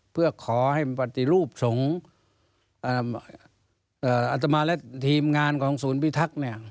เพื่อขอให้ปฏิรูปสงฆ์อัตมาและทีมงานของศูนย์พิทักษ์